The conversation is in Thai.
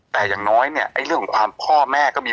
แต่อย่างน้อยเนี่ยไอ้เรื่องของความพ่อแม่ก็มี